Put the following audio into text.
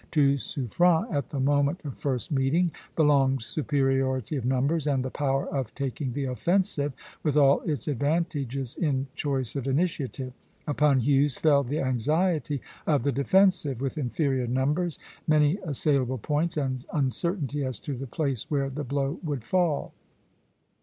To Suffren, at the moment of first meeting, belonged superiority of numbers and the power of taking the offensive, with all its advantages in choice of initiative. Upon Hughes fell the anxiety of the defensive, with inferior numbers, many assailable points, and uncertainty as to the place where the blow would fall.